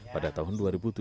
pada tahun dua ribu tujuh